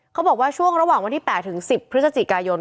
เขาบอกว่าช่วงระหว่างวันที่๘ถึง๑๐พฤศจิกายน